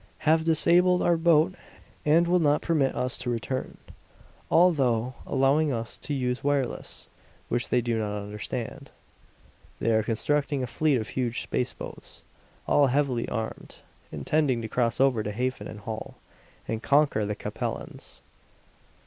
Have disabled our boat and will not permit us to return, although allowing us to use wireless, which they do not understand. "They are constructing a fleet of huge space boats, all heavily armed, intending to cross over to Hafen and Holl, and conquer the Capellans."